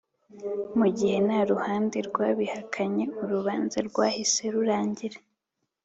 Mu gihe nta ruhande rwabihakanye urubanza rwahise rurangira